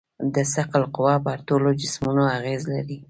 د ثقل قوه پر ټولو جسمونو اغېز لري.